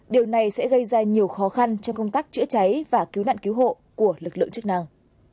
điều này sẽ gây ra nhiều khó khăn cho công tác chữa cháy và cứu nạn cứu hộ của lực lượng chức năng